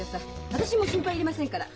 私もう心配いりませんから。